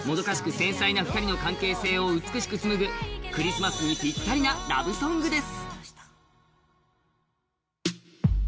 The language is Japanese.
繊細な２人の関係性を美しくつむぐクリスマスにぴったりなラブソングです。